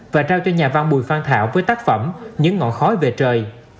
và trao cho nhà văn bùi phan thảo với tác phẩm những ngọn khói về trời